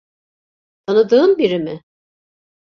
Tanıdığın biri mi?